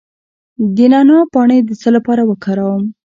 د نعناع پاڼې د څه لپاره وکاروم؟